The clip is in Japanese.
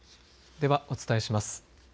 ではお伝えします。